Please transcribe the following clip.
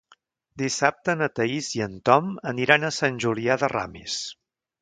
Dissabte na Thaís i en Tom aniran a Sant Julià de Ramis.